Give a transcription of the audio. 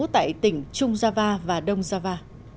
tại tỉnh trung java và đông java